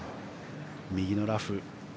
右のラフ。